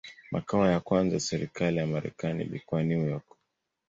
Makao ya kwanza ya serikali ya Marekani ilikuwa New York.